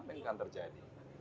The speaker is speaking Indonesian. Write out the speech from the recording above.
apa yang akan terjadi